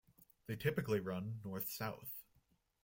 They typically run north-south.